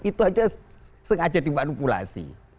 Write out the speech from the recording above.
itu aja sengaja dimanipulasi